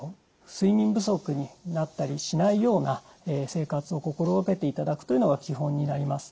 睡眠不足になったりしないような生活を心掛けていただくというのが基本になります。